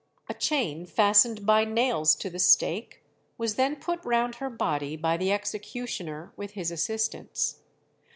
A chain fastened by nails to the stake was then put round her body by the executioner with his assistants.